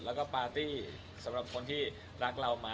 แล้วก็ปาร์ตี้สำหรับคนที่รักเรามา